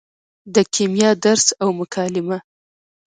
د کیمیا درس او مکالمه